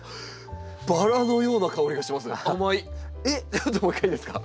ちょっともう一回いいですか。